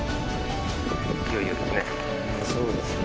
いよいよですね。